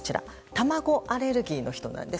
卵アレルギーの人なんです。